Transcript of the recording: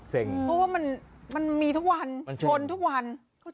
เพราะว่ามันมีทุกวันชนทุกวัน